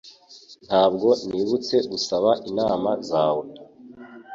Ntabwo nibutse gusaba inama zawe.